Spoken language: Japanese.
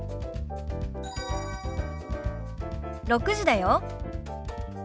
６時だよ。